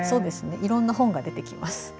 いろんな本が出てきます。